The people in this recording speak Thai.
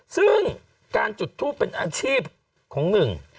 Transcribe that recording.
ซึ่งการจุดทูปเป็นอาชีพของหนึ่ง